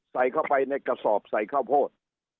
ใส่เข้าไปในกระสอบใส่ข้าวโพด